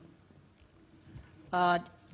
ya sudah artinya ibu tidak mengusulkan